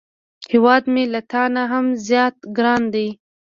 هیواد مې له تا نه هم زیات ګران دی